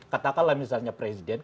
katakanlah misalnya presiden